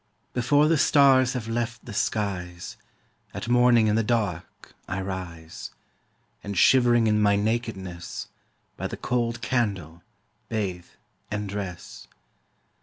Before the stars have left the skies, At morning in the dark I rise; And shivering in my nakedness, By the cold candle, bathe and dress.